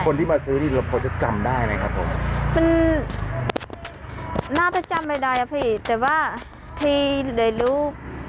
คนที่มาซื้อนี่เราพอจะจำได้ไหมครับผมมันน่าจะจำไม่ได้อะพี่แต่ว่าที่ได้รู้